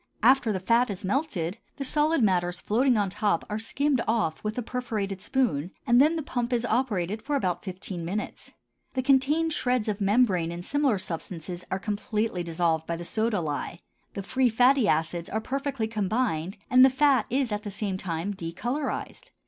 After the fat is melted, the solid matters floating on top are skimmed off with a perforated spoon, and then the pump is operated for about fifteen minutes. The contained shreds of membrane and similar substances are completely dissolved by the soda lye, the free fatty acids are perfectly combined, and the fat is at the same time decolorized.